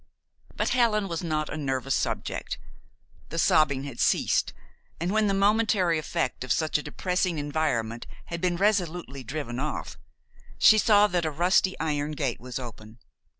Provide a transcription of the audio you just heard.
But Helen was not a nervous subject. The sobbing had ceased, and when the momentary effect of such a depressing environment had been resolutely driven off, she saw that a rusty iron gate was open.